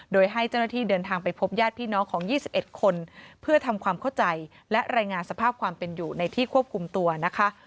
โดยให้เจ้าหน้าที่เดินทางไปพบญาติพี่น้องของ๒๑คนเพื่อทำความเข้าใจและรายงานสภาพความเป็นอยู่ในที่ควบคุมตัวนะคะ